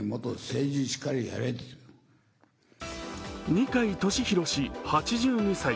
二階俊博氏８２歳。